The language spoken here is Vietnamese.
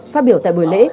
phát biểu tại buổi lễ